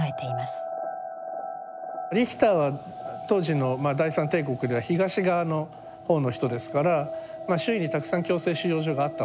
リヒターは当時のまあ第三帝国では東側の方の人ですから周囲にたくさん強制収容所があったわけですよね。